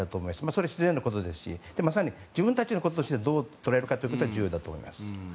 それは自然なことですしまさに自分たちのこととしてどう捉えるかというのが重要なことだと思います。